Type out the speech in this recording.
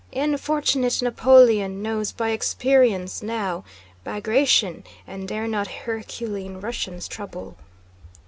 E'en fortunate Napoleon Knows by experience, now, Bagratión, And dare not Herculean Russians trouble...